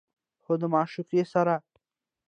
خو د معشوقې سره